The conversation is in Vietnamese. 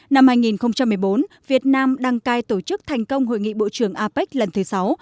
năm hai nghìn một mươi bốn việt nam đăng cai tổ chức thành công hội nghị bộ trưởng apec lần thứ sáu